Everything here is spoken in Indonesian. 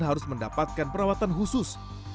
harus mendapatkan perawatan khusus